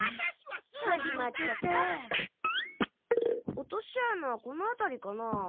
落とし穴はこのあたりかな？